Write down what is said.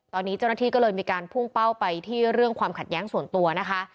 ตอนนี้เจ้าหน้าที่ก็เลยมีการพุ่งเป้าไปที่เรื่องความขัดแย้งส่วนตัวนะคะ